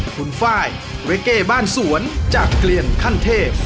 คุณไฟล์เวเก้บ้านสวนจากเกลียนขั้นเทพ